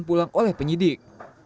dan pulang oleh penyidik